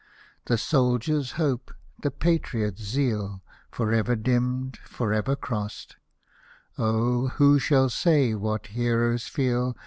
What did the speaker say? The soldier's hope, the patriot's zeal, For ever dimmed, for ever crost — Oh ! who shall say what heroes feel.